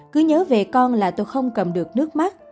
cứ nhớ về con là tôi không cầm được nước mắt